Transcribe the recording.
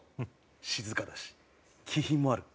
静かだし気品もある。